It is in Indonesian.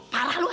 parah lu ah